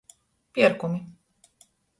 Pierkumi.